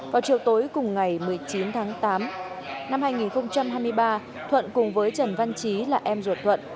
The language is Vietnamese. vào chiều tối cùng ngày một mươi chín tháng tám năm hai nghìn hai mươi ba thuận cùng với trần văn chí là em ruột thuận